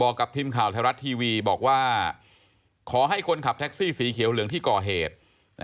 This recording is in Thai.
กับทีมข่าวไทยรัฐทีวีบอกว่าขอให้คนขับแท็กซี่สีเขียวเหลืองที่ก่อเหตุ